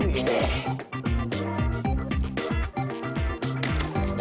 tunggu ulang kanan buat senangnya